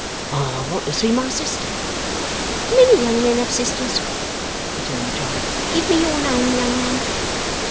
'I wanted to see my sister.' 'Many young men have sisters,' returned the child. 'Give me your name, young man?